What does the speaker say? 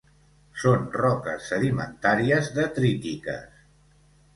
Són roques sedimentàries detrítiques.